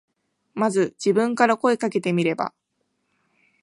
まず自分から声かけてみれば。